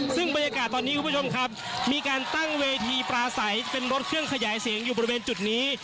ซึ่งบรรยากาศตอนนี้คุณผู้ชมครับมีการตั้งเวทีปลาใสเป็นรถเครื่องขยายเสียงอยู่บริเวณจุดนี้